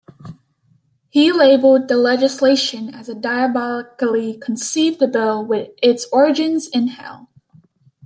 He labelled the legislation as a diabolically conceived bill with its origins in hell.